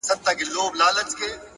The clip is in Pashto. هره ورځ د نوې تجربې دروازه ده!